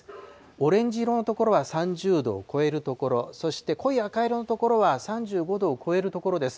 オレンジ色の所は３０度を超える所、そして濃い赤色の所は３５度を超える所です。